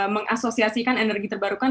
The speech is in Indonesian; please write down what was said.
mengasosiasikan energi terbarukan